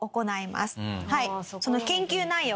その研究内容